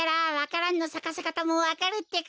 蘭のさかせかたもわかるってか？